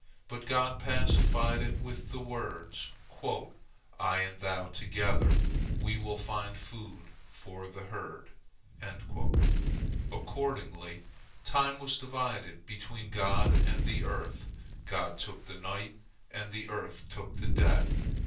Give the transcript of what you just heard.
But God pacified it with the words, "I and thou together, we will find food for the herd." Accordingly, time was divided between God and the earth; God took the night, and the earth took the day.